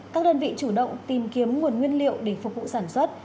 các đơn vị chủ động tìm kiếm nguồn nguyên liệu để phục vụ sản xuất